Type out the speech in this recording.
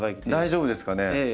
大丈夫ですかね。